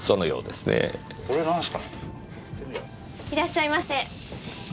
いらっしゃいませ。